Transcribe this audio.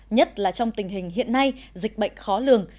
nhất là trong tình hình hiện nay dịch bệnh khó lường